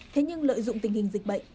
thế nhưng lợi dụng tình hình dịch bệnh